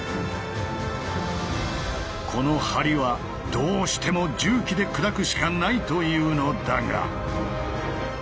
この梁はどうしても重機で砕くしかないというのだが。